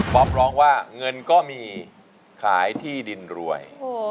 อ๊อปร้องว่าเงินก็มีขายที่ดินรวย